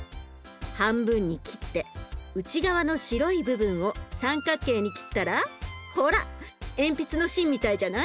半分に切って内側の白い部分を三角形に切ったらほら鉛筆の芯みたいじゃない？